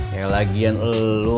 ya lagian elu